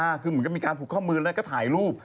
คือเหมือนกับมีการผูกข้อมือแล้วก็ถ่ายรูป